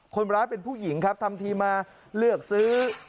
คนร้ายเป็นผู้หญิงครับทำทีมาเลือกซื้อ